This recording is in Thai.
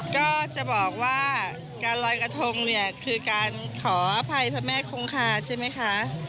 ก็จะบอกว่าการลอยกระทงเนี่ยคือการขออภัยพระแม่คงคาใช่ไหมคะ